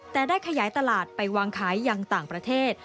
แต่ได้ขยายตลาดไปวางขายอย่างต่างประเทศ